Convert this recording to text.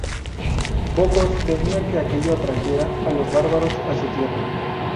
Bocos temía que aquello atrajera a los bárbaros a su tierra.